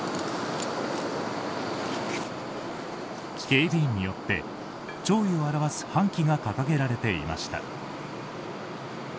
警備員によって弔意を表す半旗が掲げられていました。